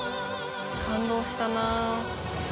感動したな。